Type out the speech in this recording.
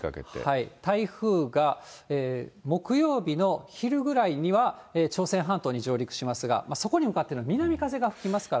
台風が木曜日の昼ぐらいには、朝鮮半島に上陸しますが、そこに向かって南風が吹きますから。